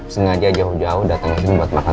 sengaja jauh jauh datang kesini buat makan